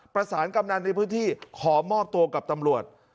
ประสานกำหนังในพื้นที่ขอมอบตัวกับตำลวด